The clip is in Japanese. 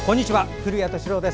古谷敏郎です。